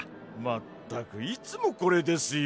まったくいつもこれですよ。